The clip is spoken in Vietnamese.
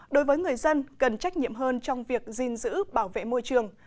đối với người dân cần trách nhiệm hơn trong việc gìn giữ bảo vệ môi trường